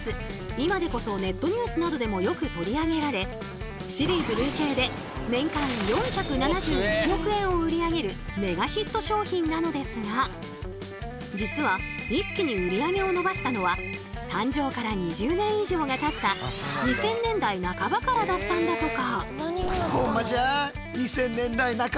今でこそネットニュースなどでもよく取り上げられシリーズ累計で年間４７１億円を売り上げるメガヒット商品なのですが実は一気に売り上げを伸ばしたのは誕生から２０年以上がたった２０００年代半ばからだったんだとか！